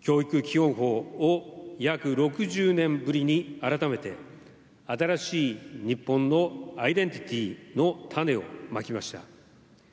教育基本法を約６０年ぶりに改めて新しい日本のアイデンティティーの種をまきました。